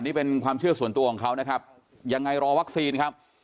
นี่เป็นความเชื่อส่วนตัวของเขานะครับยังไงรอวัคซีนครับ